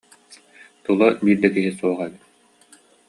Тула биир да киһи суох эбит